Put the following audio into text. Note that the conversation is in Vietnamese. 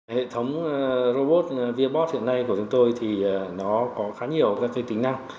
cô robot viabot hiện nay của chúng tôi thì nó có khá nhiều các cái tính năng